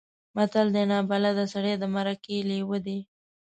متل دی: نابلده سړی د مرکې لېوه دی.